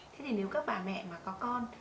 thế thì nếu các bà mẹ mà có con